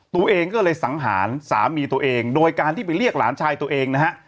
ตัวเองก็เลยสังหารสามีตัวเองโดยการที่ไปเรียกหลานชายตัวเองนะฮะ